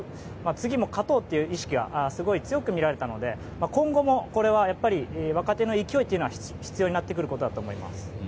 次も勝とうという意識がすごい強く見られたので今後も、この若手の勢いは必要になってくると思います。